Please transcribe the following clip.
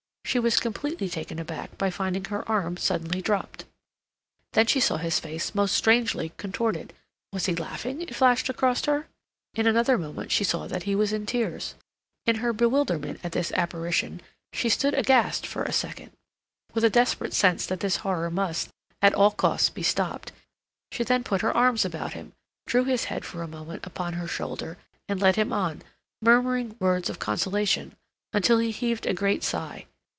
She was completely taken aback by finding her arm suddenly dropped; then she saw his face most strangely contorted; was he laughing, it flashed across her? In another moment she saw that he was in tears. In her bewilderment at this apparition she stood aghast for a second. With a desperate sense that this horror must, at all costs, be stopped, she then put her arms about him, drew his head for a moment upon her shoulder, and led him on, murmuring words of consolation, until he heaved a great sigh.